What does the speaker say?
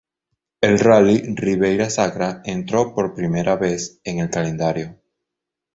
El Rally Ribeira Sacra entró por primera vez en el calendario.